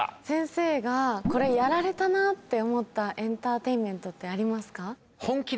先生が「これやられたな」って思ったエンターテインメントってありますか？